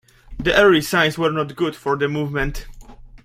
The early signs were not good for the movement.